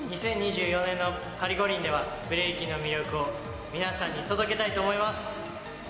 ２０２４年のパリ五輪では、ブレイキンの魅力を皆さんに届けたいと思います。